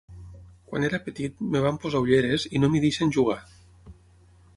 Quan era petit em van posar ulleres i no m'hi deixen jugar.